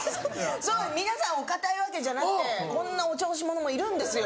そう皆さんお堅いわけじゃなくてこんなお調子者もいるんですよ。